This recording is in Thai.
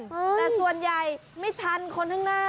แต่ส่วนใหญ่ไม่ทันคนข้างหน้า